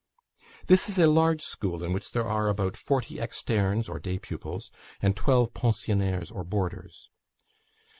"This is a large school, in which there are about forty externes, or day pupils, and twelve pensionnaires, or boarders.